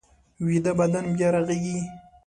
ویده بدن بیا رغېږي